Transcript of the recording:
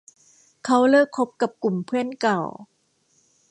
เค้าเลิกคบกับกลุ่มเพื่อนเก่า